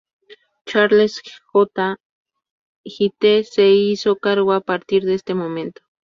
Charles J. Hite se hizo cargo a partir de este momento.